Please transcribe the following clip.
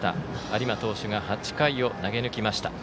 有馬投手が８回を投げぬきました。